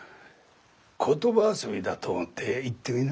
言葉遊びだと思って言ってみな。